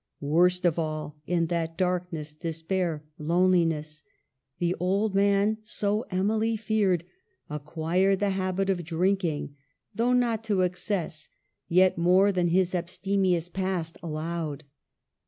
Worst of all — in that dark ness, despair, loneliness — 'the old man, so Emily feared, acquired the habit of drinking, though not to excess, yet more than his abstemious past allowed.